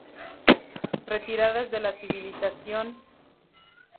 Retiradas de la civilización.